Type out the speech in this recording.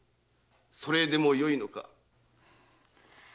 それでもよいのか？